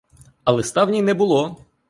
Але листа в ній не було!